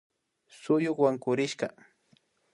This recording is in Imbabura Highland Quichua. Suyuk wankurishka